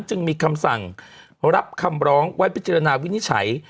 จึงมีคำสั่งรับคำร้องไว้พิจารณาวินิจฉัย